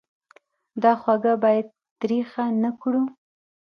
دا خوږه باید تریخه نه کړو.